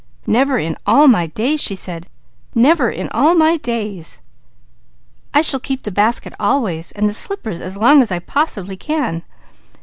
"Never in all my days " she said. "Never in all my days I shall keep the basket always, and the slippers as long as I possibly can.